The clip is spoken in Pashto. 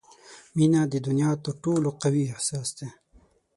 • مینه د دنیا تر ټولو قوي احساس دی.